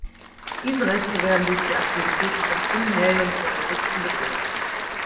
Diese Rechte werden durch die Aktivitäten von Kriminellen und Terroristen bedroht.